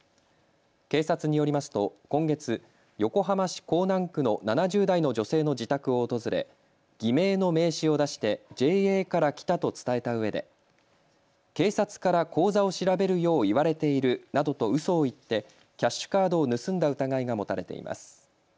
警察によりますと今月、横浜市港南区の７０代の女性の自宅を訪れ偽名の名刺を出してＪＡから来たと伝えたうえで警察から口座を調べるよう言われているなどとうそを言ってキャッシュカードを盗んだ疑いが持たれています。